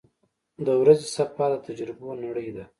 • د ورځې سفر د تجربو نړۍ ده.